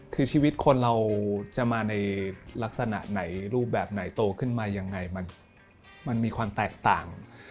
คือชีวิตคนเราจะมาในลักษณะไหนรูปแบบไหนโตขึ้นมายังไงมันมีความแตกต่าง